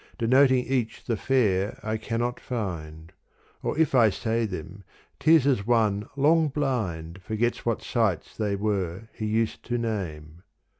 Denoting each the fair I cannot find : Or if I say them 't is as one long blind Forgets what sights they were he used to name.